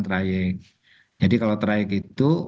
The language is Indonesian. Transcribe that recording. trayek jadi kalau trayek itu